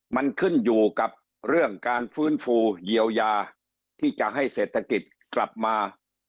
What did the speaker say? มันขึ้นอยู่กับเรื่องการฟื้นฟูเยียวยาที่จะให้เศรษฐกิจกลับมา